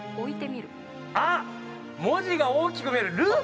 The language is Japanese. あっ文字が大きく見える！